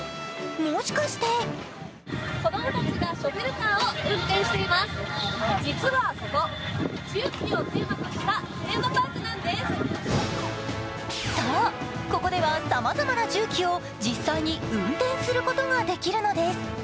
もしかしてそう、ここではさまざまな重機を実際に運転することができるのです。